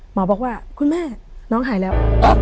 หมอบอกว่าคุณแม่น้องหายแล้ว